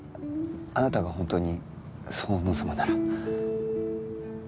あなたが本当にそう望むなら。